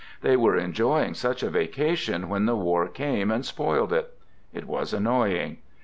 They were enjoying such a vacation when the war came and spoiled it. It was annoying.